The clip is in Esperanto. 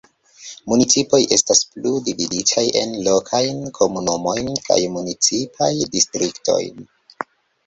Municipoj estas plu dividitaj en lokajn komunumojn kaj municipaj distriktojn.